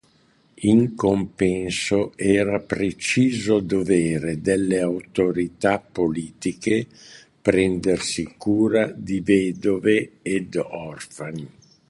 In compenso era preciso dovere delle autorità politiche prendersi cura di vedove ed orfani.